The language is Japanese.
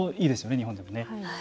日本でも。